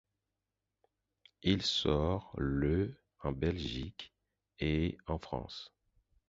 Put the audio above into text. Il sort le en Belgique et en France.